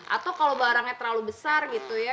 atau kalau barangnya terlalu besar gitu ya